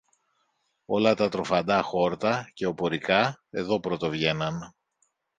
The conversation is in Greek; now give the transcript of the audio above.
Όλα τα τροφαντά χόρτα και οπωρικά εδώ πρωτοβγαίναν.